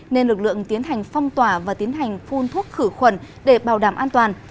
nên lực lượng tiến hành phong tỏa và tiến hành phun thuốc khử khuẩn để bảo đảm an toàn